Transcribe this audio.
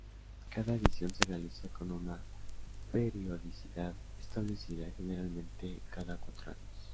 Cada edición se realiza con una periodicidad establecida, generalmente cada cuatro años.